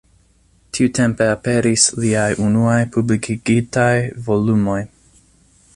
Tiutempe aperis liaj unuaj publikigitaj volumoj.